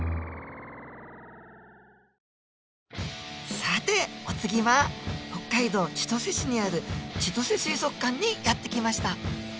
さてお次は北海道千歳市にある千歳水族館にやって来ました。